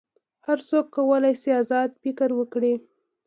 هر څوک کولی شي آزاد فکر وکړي.